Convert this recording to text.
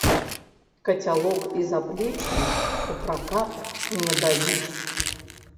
Кацялок і заплечнік у пракат не даюць.